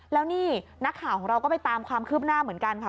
แล้วนี่นักข่าวของเราก็ไปตามความคืบหน้าเหมือนกันค่ะ